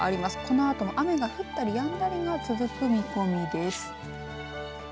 このあと雨が降ったりやんだりが続く見込みです。